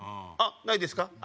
あないですか？